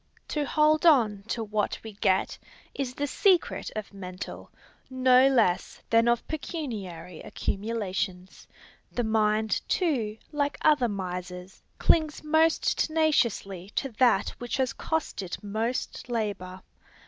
To hold on to what we get, is the secret of mental, no less than of pecuniary accumulations. The mind, too, like other misers, clings most tenaciously to that which has cost it most labor.